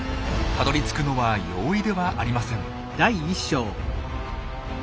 たどりつくのは容易ではありません。